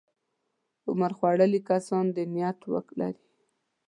عمر خوړلي کسان دې نیت ولري.